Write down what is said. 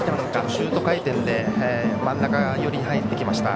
シュート回転で真ん中寄りに入ってきました。